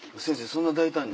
そんな大胆に。